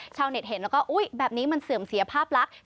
ชาวเน็ตเห็นแล้วก็อุ๊ยแบบนี้มันเสื่อมเสียภาพลักษณ์